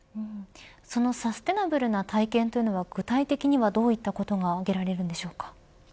そのサステナブルな体験というのは具体的にはどういったことが挙げられるんでしょうか。